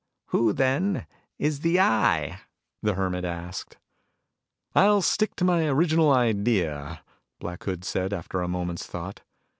"Who, then, is the Eye?" the Hermit asked. "I'll stick to my original idea," Black Hood said after a moment's thought.